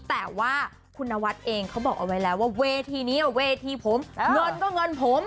แต่ว่าคุณนวัดเองเขาบอกเอาไว้แล้วว่าเวทีนี้เวทีผมเงินก็เงินผม